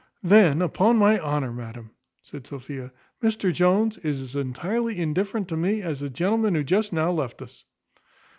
"Then, upon my honour, madam," said Sophia, "Mr Jones is as entirely indifferent to me, as the gentleman who just now left us."